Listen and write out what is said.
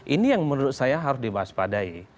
ini yang menurut saya harus dibahas padai